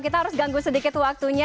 kita harus ganggu sedikit waktunya